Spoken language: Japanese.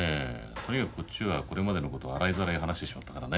とにかくこっちはこれまでのこと洗いざらい話してしまったからね。